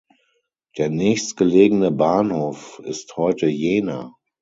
Der nächstgelegene Bahnhof ist heute Jena.